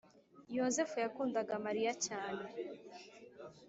Yozefu yakundaga mariya cyane